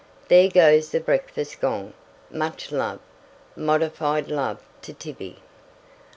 There goes the breakfast gong. Much love. Modified love to Tibby.